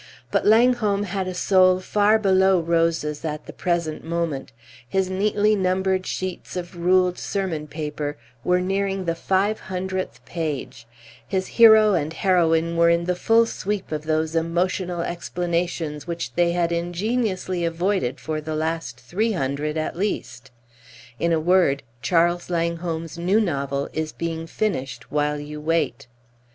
But Langholm had a soul far below roses at the present moment; his neatly numbered sheets of ruled sermon paper were nearing the five hundredth page; his hero and his heroine were in the full sweep of those emotional explanations which they had ingeniously avoided for the last three hundred at least; in a word, Charles Langholm's new novel is being finished while you wait.